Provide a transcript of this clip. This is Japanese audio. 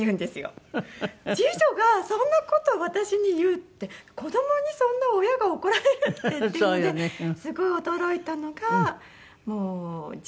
次女がそんな事を私に言うって子どもにそんな親が怒られるってっていうのですごい驚いたのがもう次女なので。